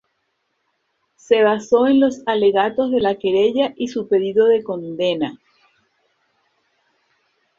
Se basó en los alegatos de la Querella y su pedido de condena.